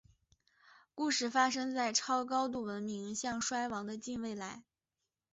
故事发生在超高度文明迎向衰亡的近未来。